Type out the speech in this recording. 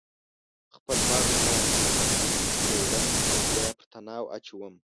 خپل مغز باندې پریولم او بیا یې پر تناو اچوم